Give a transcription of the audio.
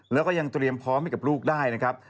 แล้วก็ยังเตรียมพร้อมให้กับลูกได้นะครับ